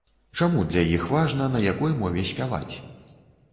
Чаму для іх важна, на якой мове спяваць?